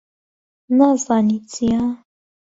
نازانی چییە؟